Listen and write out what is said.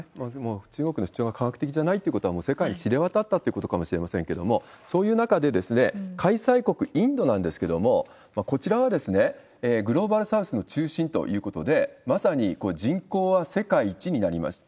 中国の主張が科学的じゃないってことは、世界に知れ渡ったっていうことかもしれませんけれども、そういう中で開催国、インドなんですけれども、こちらはグローバルサウスの中心ということで、まさに人口は世界一になりました。